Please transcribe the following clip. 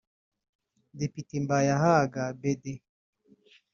Depite Mbayahaga Bede